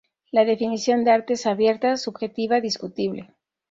La definición de arte es abierta, subjetiva, discutible.